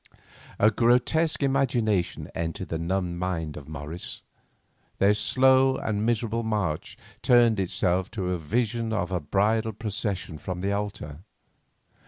A grotesque imagination entered the numbed mind of Morris. Their slow and miserable march turned itself to a vision of a bridal procession from the altar.